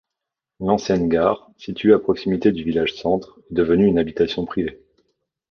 L'ancienne gare, située à proximité du village centre, est devenue une habitation privée.